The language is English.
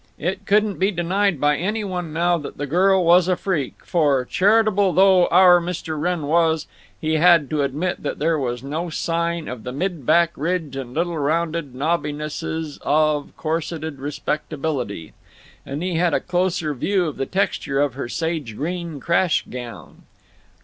It couldn't be denied by any one now that the girl was a freak, for, charitable though Our Mr. Wrenn was, he had to admit that there was no sign of the midback ridge and little rounded knobbinesses of corseted respectability. And he had a closer view of the texture of her sage green crash gown.